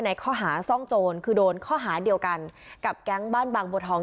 ในข้อหาซ่องโจรคือโดนข้อหาเดียวกันกับแก๊งบ้านบางบัวทอง